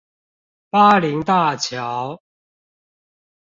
巴陵大橋